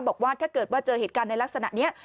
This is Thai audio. บอกว่าถ้าเกิดว่าเจอเหตุการณ์ในลักษณะนี้